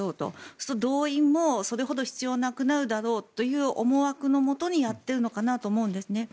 そうすると、動員もそれほど必要なくなるだろうという思惑のもとにやっていると思うんです。